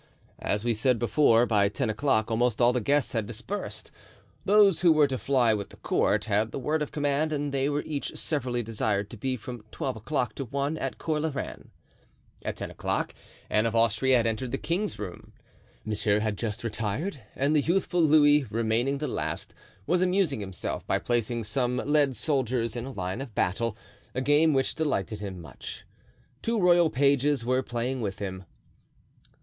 As we said before, by ten o'clock almost all the guests had dispersed; those who were to fly with the court had the word of command and they were each severally desired to be from twelve o'clock to one at Cours la Reine. At ten o'clock Anne of Austria had entered the king's room. Monsieur had just retired, and the youthful Louis, remaining the last, was amusing himself by placing some lead soldiers in a line of battle, a game which delighted him much. Two royal pages were playing with him.